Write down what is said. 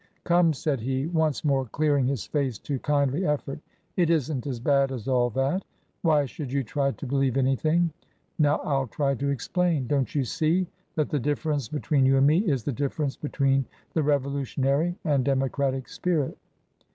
"Come!" said he, once more clearing his face to kindly effort, '' it isn't as bad as all that. Why should you try to believe an}rthing ? Now FU try to explain. Don't you see that the difference between you and me is the difference between the Revolutionary and Demo cratic spirit?"